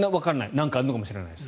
何かあるのかもしれないです。